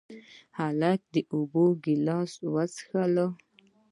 هلک د اوبو ګیلاس وڅښله.